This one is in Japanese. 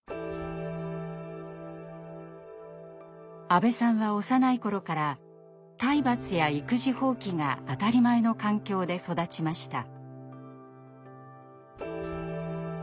阿部さんは幼い頃から体罰や育児放棄が当たり前の環境で育ちました。